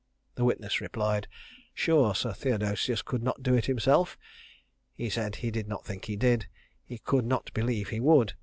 The witness replied, "Sure, Sir Theodosius could not do it himself!" He said he did not think he did he could not believe he would.